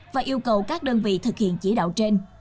và yêu cầu các đơn vị thực hiện chỉ đạo trên